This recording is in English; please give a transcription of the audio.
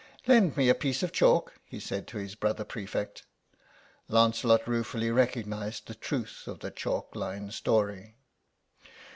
"Lend me a piece of chalk," he said to his brother prefect. Lancelot ruefully recognised the truth of the chalk line story.